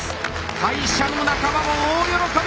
会社の仲間も大喜び！